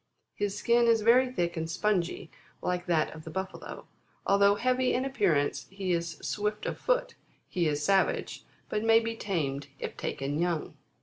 His skin is very thick and spongy, like that of the Buffalo. Although heavy in appearance, he is swift of foot ; he is savage, but may be tamed if taken young.